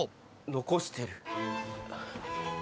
残してる。